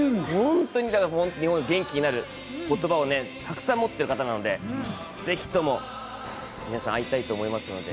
日本が元気になる言葉をたくさん持ってらっしゃる方なので、ぜひとも会いたいと思いますので。